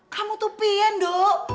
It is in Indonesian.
kamu tuh pian do